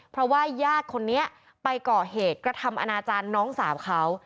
เพราะว่าญาติคนนี้ไปก่อเหตุกระทำอนาจารย์น้องสาวเขา